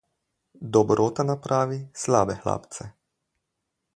Dobrota napravi slabe hlapce.